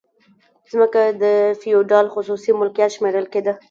ځمکه د فیوډال خصوصي ملکیت شمیرل کیده.